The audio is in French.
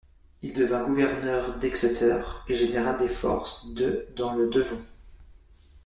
Il devint gouverneur d'Exeter et général des forces de dans le Devon.